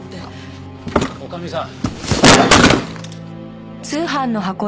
女将さん。